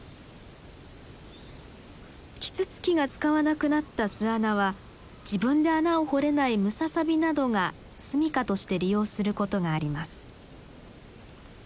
キツツキが使わなくなった巣穴は自分で穴を掘れないムササビなどが住みかとして利用することがあります。